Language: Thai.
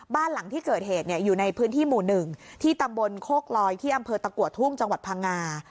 บ้านหลังที่เกิดเหตุอยู่ในพื้นที่หมู่๑ที่ตำบลโคกลอยที่อำเภอตะกัวทุ่งจังหวัดพังงา